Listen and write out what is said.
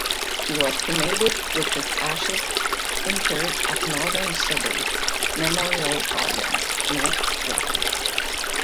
He was cremated with his ashes interred at Northern Suburbs Memorial Gardens, North Ryde.